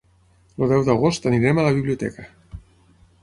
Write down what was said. El deu d'agost anirem a la biblioteca.